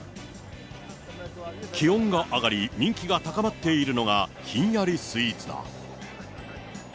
気温が上がり、人気が高まっているのがひんやりスイーツだ。